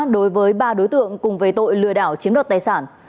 đối với ba đối tượng cùng về tội lừa đảo chiếm đoạt tài sản